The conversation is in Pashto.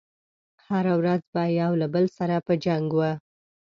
هره ورځ به يو له بل سره په جنګ و.